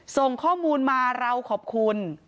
ส่งข้อมูลมาเราขอบคุณ